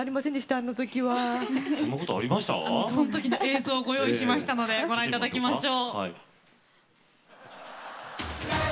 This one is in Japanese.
そのときの映像ご用意いたしましたのでご覧いただきましょう。